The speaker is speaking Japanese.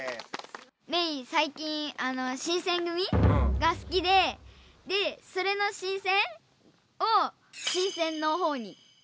メイ最近新選組がすきででそれの「新選」を「新鮮」のほうにして。